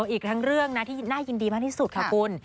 อีกทั้งเรื่องนะที่น่ายินดีมากที่สุดค่ะคุณ